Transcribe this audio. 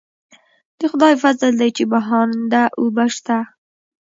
د خدای فضل دی چې بهانده اوبه شته.